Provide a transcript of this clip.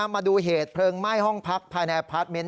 มาดูเหตุเพลิงไหม้ห้องพักภายในอพาร์ทเมนต